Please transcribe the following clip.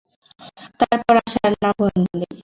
তারপর আর আসার নামগন্ধ নেই।